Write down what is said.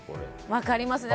分かります。